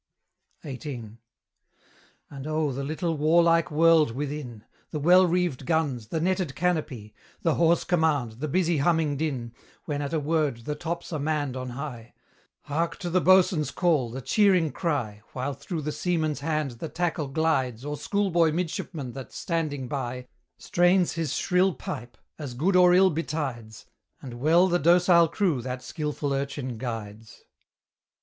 XVIII. And oh, the little warlike world within! The well reeved guns, the netted canopy, The hoarse command, the busy humming din, When, at a word, the tops are manned on high: Hark to the boatswain's call, the cheering cry, While through the seaman's hand the tackle glides Or schoolboy midshipman that, standing by, Strains his shrill pipe, as good or ill betides, And well the docile crew that skilful urchin guides.